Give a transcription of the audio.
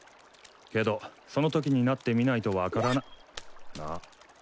けどそのときになってみないと分からなあっ。